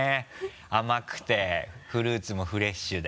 甘くてフルーツもフレッシュで。